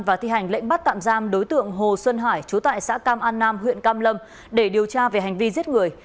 và thi hành lệnh bắt tạm giam đối tượng hồ xuân hải chú tại xã cam an nam huyện cam lâm để điều tra về hành vi giết người